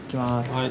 はい。